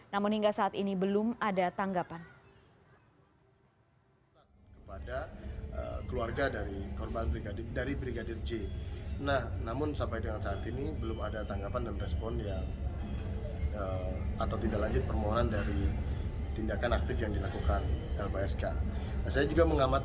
namun hingga saat ini belum ada tanggapan